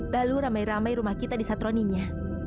lalu ramai ramai rumah kita disatroninya